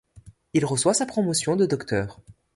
Il reçoit sa promotion de Dr.